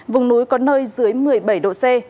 vùng núi có nơi dưới một mươi bảy độ c